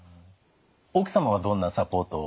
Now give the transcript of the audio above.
奥様はどんなサポートを？